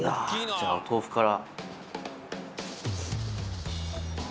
じゃあお豆腐から。